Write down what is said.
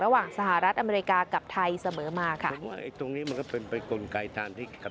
ระหว่างสหรัฐอเมริกากับไทยเสมอมาค่ะ